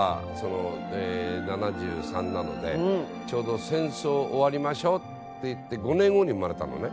ちょうど戦争終わりましょうっていって５年後に生まれたのね。